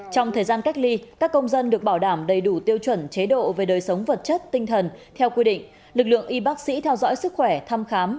trong thời gian cách ly các công dân được bảo đảm đầy đủ tiêu chuẩn chế độ về đời sống vật chất tinh thần theo quy định